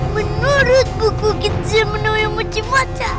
menurut buku kitzy menurut yang mencimaca